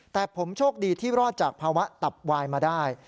แต่ผมโชคดีที่รอดจากภาวะตับวายมาได้